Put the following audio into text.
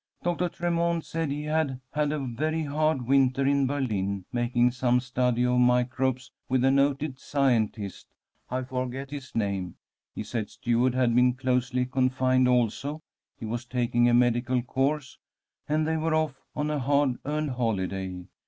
"'Doctor Tremont said he had had a very hard winter in Berlin, making some study of microbes with a noted scientist, I forget his name. He said Stuart had been closely confined also (he was taking a medical course), and they were off on a hard earned holiday.